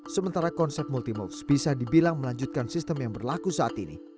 sementara konsep multi mox bisa dibilang melanjutkan sistem yang berlaku saat ini